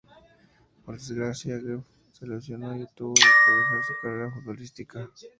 Por desgracia, Geoff se lesionó y tuvo que dejar su carrera futbolística.